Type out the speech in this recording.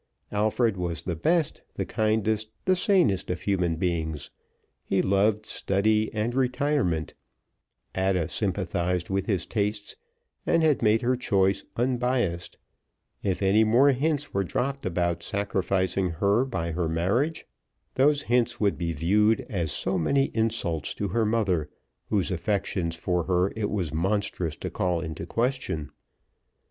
Alfred was the best, the kindest, the sanest of human beings. He loved study and retirement; Ada sympathized with his tastes, and had made her choice unbiased; if any more hints were dropped about sacrificing her by her marriage, those hints would be viewed as so many insults to her mother, whose affection for her it was monstrous to call in question.